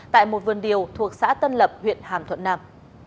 tại một vườn điều thuộc xã tân lập huyện hàm thuận nam